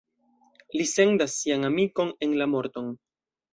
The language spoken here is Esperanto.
Li sendas sian amikon en la morton.